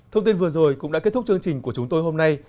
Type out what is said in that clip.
thông tin vừa rồi cũng đã kết thúc chương trình của chúng tôi hôm nay